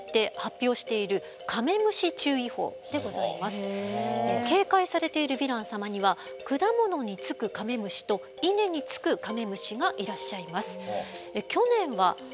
こちらは農林水産省が警戒されているヴィラン様には果物につくカメムシと稲につくカメムシがいらっしゃいます。